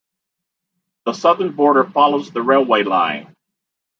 The southern border follows the railway line.